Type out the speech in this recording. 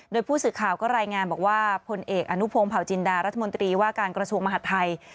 โดยผู้สื่อข่าวก็รายงานบอกว่าพลเอกอนุพงศ์เผาจินดารัฐมนตรีว่าการกระทรวงมหาดไทย